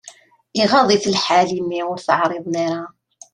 Iɣaḍ-it lḥal imi ur t-εriḍen ara.